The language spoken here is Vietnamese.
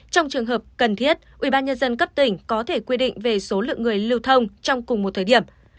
trong trường hợp cần thiết ubnd cấp tỉnh có thể quy định về số lượng người lưu thông trong cùng một thời điểm